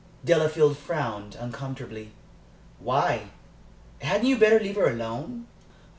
Delafield frowned uncomfortably. "Why? Hadn't you better leave her alone?"